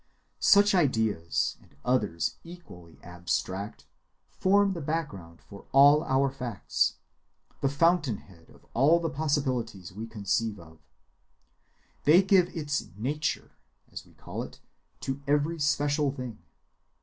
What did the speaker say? Such ideas, and others equally abstract, form the background for all our facts, the fountain‐head of all the possibilities we conceive of. They give its "nature," as we call it, to every special thing.